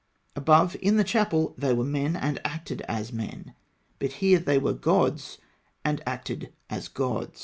Above, in the chapel, they were men, and acted as men; here they were gods, and acted as gods.